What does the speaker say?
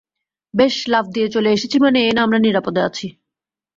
বেশ, লাফ দিয়ে চলে এসেছি মানে এই না আমরা নিরাপদে আছি।